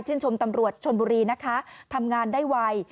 ชมตำรวจชนบุรีนะคะทำงานได้ไว